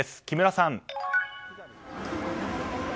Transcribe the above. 木村さん。